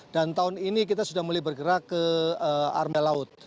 dan tahun ini kita sudah mulai bergerak ke armel laut